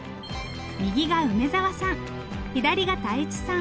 右が梅沢さん